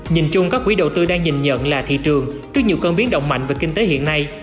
nhìn chung các quỹ đầu tư đang nhìn nhận là thị trường trước nhiều cơn biến động mạnh về kinh tế hiện nay